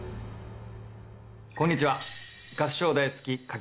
こんにちは。